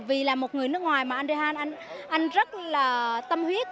vì là một người nước ngoài mà anh ra han anh rất là tâm huyết